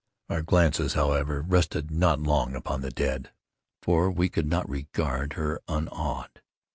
Our glances, however, rested not long upon the dead—for we could not regard her unawed.